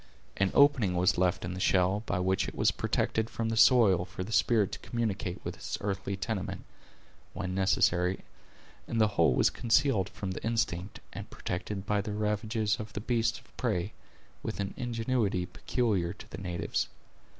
An opening was left in the shell, by which it was protected from the soil, for the spirit to communicate with its earthly tenement, when necessary; and the whole was concealed from the instinct, and protected from the ravages of the beasts of prey, with an ingenuity peculiar to the natives.